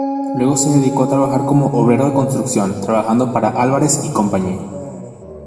Luego, se dedicó a trabajar como obrero de construcción, trabajando para Álvarez y Cía.